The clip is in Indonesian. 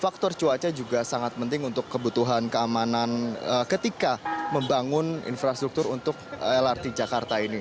faktor cuaca juga sangat penting untuk kebutuhan keamanan ketika membangun infrastruktur untuk lrt jakarta ini